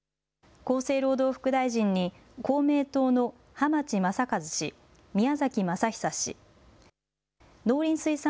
厚生労働副大臣に公明党の浜地雅一氏、宮崎政久氏。